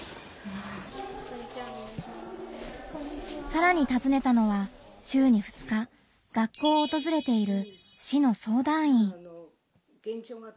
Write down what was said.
さらにたずねたのは週に２日学校をおとずれている市の相談員。